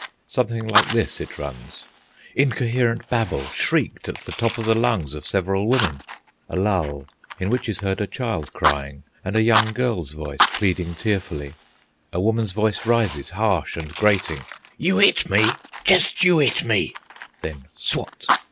Something like this it runs— Incoherent babble, shrieked at the top of the lungs of several women; a lull, in which is heard a child crying and a young girl's voice pleading tearfully; a woman's voice rises, harsh and grating, "You 'it me! Jest you 'it me!" then, swat!